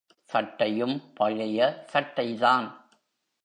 சட்டையும் பழைய சட்டைதான்.